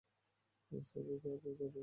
Sir, এরা তারাই sir.